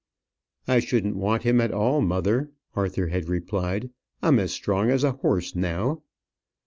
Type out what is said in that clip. "I shouldn't want him at all, mother," Arthur had replied. "I am as strong as a horse now."